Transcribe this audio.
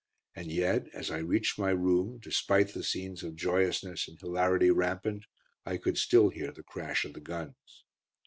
And yet as I reached my room, despite the scenes of joyousness and hilarity rampant, I could still hear the crash of the guns.